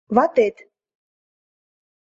Ватет...